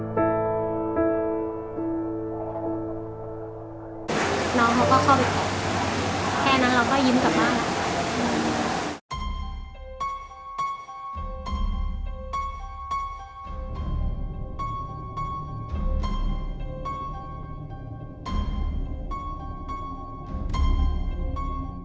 น้องเขาก็เข้าไปตอบแค่นั้นเราก็ยิ้มกลับบ้านแล้ว